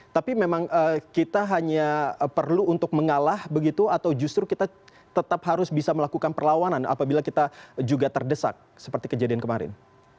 tapi memang kita hanya perlu untuk mengalah begitu atau justru kita tetap harus bisa melakukan perlawanan apabila kita juga terdesak seperti kejadian kemarin